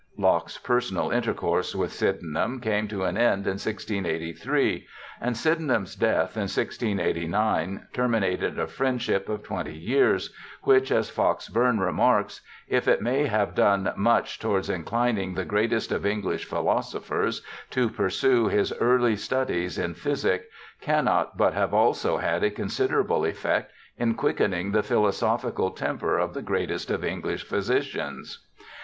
Locke's personal intercourse with Sydenham came to an end in 1683, ^rid Sydenham's death in 1689 ter minated a friendship of twenty years which, as Fox Bourne remarks, ' If it may have done much towards inclining the greatest of English philosophers to pursue his early studies in physic, cannot but have also had a considerable effect in quickening the philosophical temper of the greatest of English physicians.